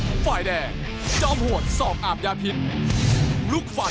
อีรันท์ชอห้าพยักษ์